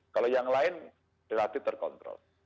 kalau yang lain relatif terkontrol